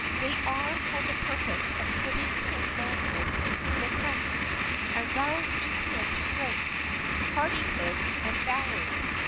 They are for the purpose of putting his manhood to the test, and rouse in him strength, hardihood, and valor.